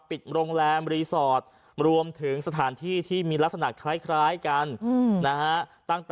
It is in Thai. ปิดโรงแรมรีสอร์ทรวมถึงสถานที่ที่มีลักษณะคล้ายกันนะฮะ